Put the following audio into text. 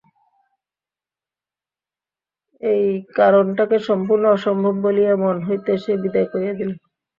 এই কারণটাকে সম্পূর্ণ অসম্ভব বলিয়া মন হইতে সে বিদায় করিয়া দিল।